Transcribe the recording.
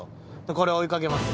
これ追いかけます。